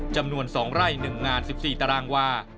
จำนวน๒ไร่๑งาน๑๔ตารางวา